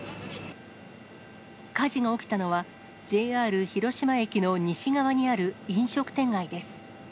火事が起きたのは、ＪＲ広島駅の西側にある飲食店街です。